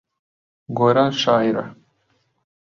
گۆران شاعیرە.